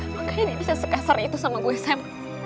makanya dia bisa sekasar itu sama gue sam